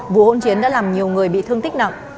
vụ hỗn chiến đã làm nhiều người bị thương tích nặng